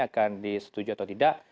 akan disetujui atau tidak